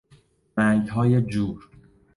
رنگهای جور